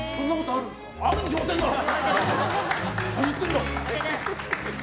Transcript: あるに決まってるだろ！